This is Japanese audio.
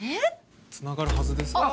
つながるはずですが。